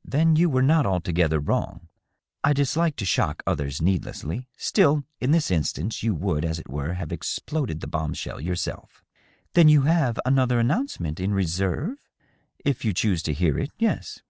" Then you were not altogether wrong. I dislike to shock others needlessly. Still, in this instance, you would, as it were, have exploded the bomb shell yourself." " Then you have another announcement in reserve ?"" If you choose to hear it, yes."